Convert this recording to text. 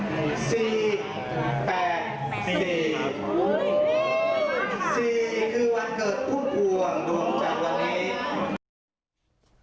๔คือวันเกิดพุ่งกว่างดวงจากวันนี้